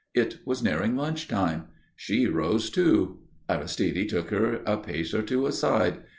It was nearing lunch time. She rose, too. Aristide took her a pace or two aside.